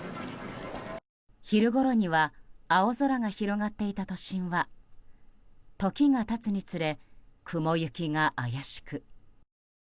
昼ごろには青空が広がっていた都心は時が経つにつれ雲行きが怪しく。